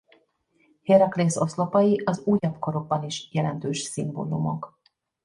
Héraklész oszlopai az újabb korokban is jelentős szimbólumok.